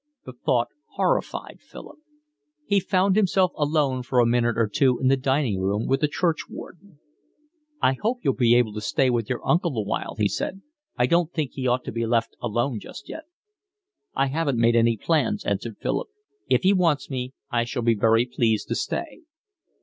The thought horrified Philip. He found himself alone for a minute or two in the dining room with the churchwarden. "I hope you'll be able to stay with your uncle a while," he said. "I don't think he ought to be left alone just yet." "I haven't made any plans," answered Philip. "If he wants me I shall be very pleased to stay."